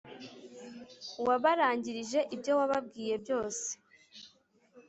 wabarangirije ibyo wababwiye byose